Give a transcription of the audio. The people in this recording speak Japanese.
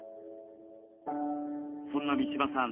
そんな三嶋さん